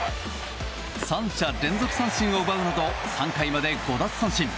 ３者連続三振を奪うなど３回まで５奪三振。